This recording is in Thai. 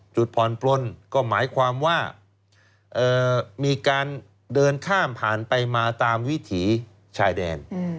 จุดผ่อนปลนก็หมายความว่ามีการเดินข้ามผ่านไปมาตามวิถีชายแดน